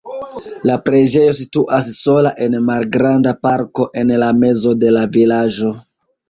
La preĝejo situas sola en malgranda parko en la mezo de la vilaĝo.